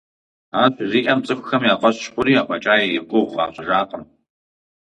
Ар щыжиӀэм, цӀыхухэм я фӀэщ хъури, афӀэкӀа и гугъу къащӀыжакъым.